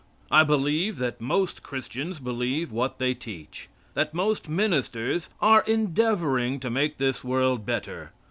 I believe that most Christians believe what they teach; that most ministers are endeavoring to make this world better.